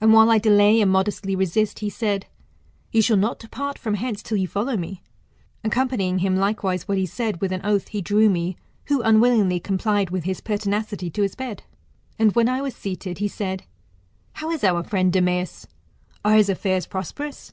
And while I delay and modestly resist, he said, You shall not depart from hence till you follow me. Accompanying likewise what he said with an oath, he drew me, who unwillingly complied with his pertinacity, to his bed. And when I was seated, he said, How is our friend Demeas ? Are his affairs prosperous